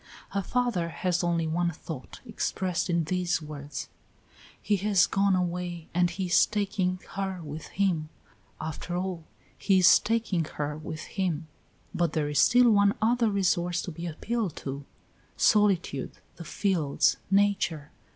Her father has only one thought, expressed in these words: "He has gone away and he is taking her with him; after all, he is taking her with him." But there is still one other resource to be appealed to solitude, the fields, nature.